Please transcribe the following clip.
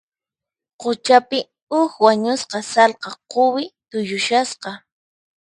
Quchapi, huk wañusqa sallqa quwi tuyushasqa.